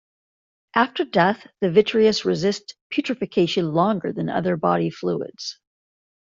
After death, the vitreous resists putrifaction longer than other body fluids.